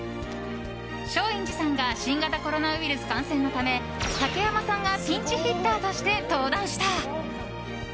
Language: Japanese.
松陰寺さんが新型コロナウイルス感染のため竹山さんがピンチヒッターとして登壇した。